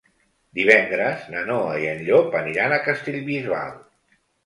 Divendres na Noa i en Llop aniran a Castellbisbal.